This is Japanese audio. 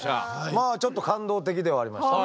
まあちょっと感動的ではありましたね。